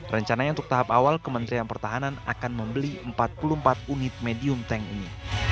rencananya untuk tahap awal kementerian pertahanan akan membeli empat puluh empat unit medium tank ini